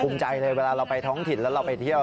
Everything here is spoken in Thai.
ภูมิใจเลยเวลาเราไปท้องถิ่นแล้วเราไปเที่ยว